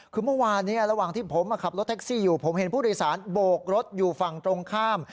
คือเมื่อวานระหว่างที่ผมขับรถแท็กซี่อยู่ผมเห็นผู้โดยสารโบกรถอยู่ฝั่งตรงข้าม